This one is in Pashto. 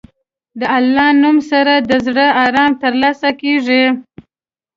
د الله نوم سره د زړه ارام ترلاسه کېږي.